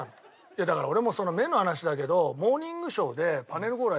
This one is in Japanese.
いやだから俺も目の話だけど『モーニングショー』でパネル